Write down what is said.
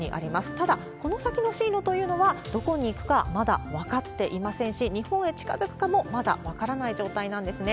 ただ、この先の進路というのは、どこに行くか、まだ分かっていませんし、日本へ近づくかもまだ分からない状態なんですね。